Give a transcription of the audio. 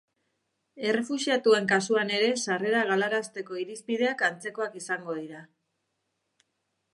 Errefuxiatuen kasuan ere sarrera galarazteko irizpideak antzekoak izango dira.